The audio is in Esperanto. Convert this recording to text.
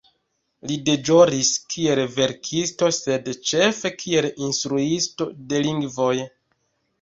Li deĵoris kiel verkisto sed ĉefe kiel instruisto de lingvoj.